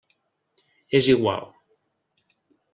És igual.